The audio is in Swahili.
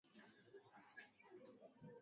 inayoshughulikia kesi za mauaji halaiki ya rwanda